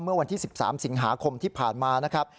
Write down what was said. เมื่อวันที่๑๓สิงหาคมที่ผ่านมานะครับ